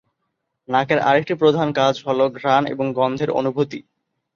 নাকের আরেকটি প্রধান কাজ হল ঘ্রাণ এবং গন্ধের অনুভূতি।